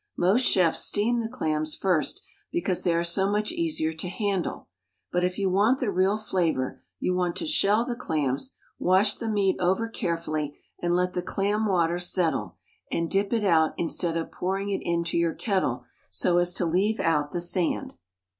(Most chefs steam the clams first because they are so much easier to handle, but if you want the real flavor you want to shell the clams, wash the meat over carefully and let the clam water settle and dip it out instead of pouring it into your kettle so as to leave out the sand.)